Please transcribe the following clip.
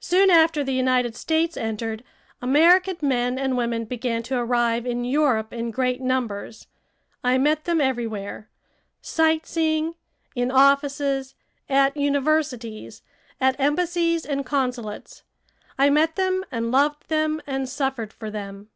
Soon after the United States entered, American men and women began to arrive in Europe in great numbers. I met them everywhere; sight seeing, in offices, at universities, at embassies and consulates. I met them and loved them and suffered for them.